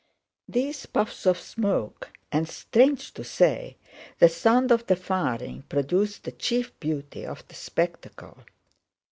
These puffs of smoke and (strange to say) the sound of the firing produced the chief beauty of the spectacle.